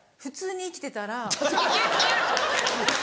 普通に生きてたら。